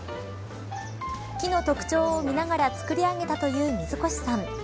木の特徴を見ながら作り上げたという水越さん。